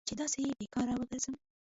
چې داسې بې کاره وګرځم.